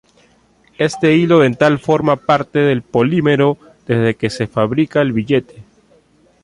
Este hilo dental forma parte del polímero desde que se fabrica el billete.